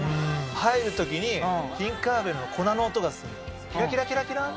入る時にティンカー・ベルの粉の音がするのキラキラキラキラン！